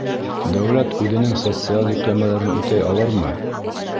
Дәүләт үҙенең социаль йөкләмәләрен үтәй алырмы?